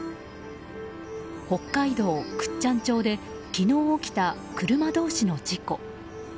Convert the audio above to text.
北海道倶知安町で昨日起きた、車同士の事故。